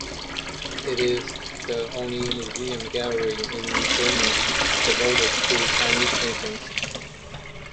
It is the only museum gallery in Britain devoted to Chinese paintings.